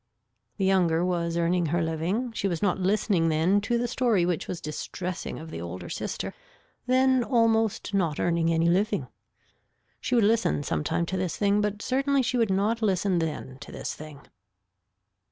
The younger was earning her living, she was not listening then to the story which was distressing of the older sister then almost not earning any living. She would listen sometime to this thing but certainly she would not listen then to this thing.